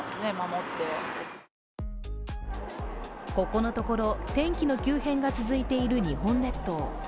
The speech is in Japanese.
ここのところ、天気の急変が続いている日本列島。